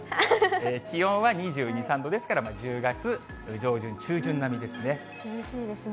気温は２２、３度ですから、１０月上旬、中旬並みで涼しいですね。